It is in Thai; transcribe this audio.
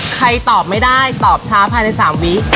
ตอบไม่ได้ตอบช้าภายใน๓วิ